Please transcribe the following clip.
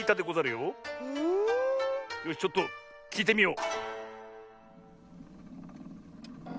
よしちょっときいてみよう。